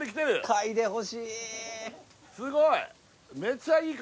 すごい！